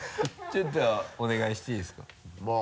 ちょっとお願いしていいですか？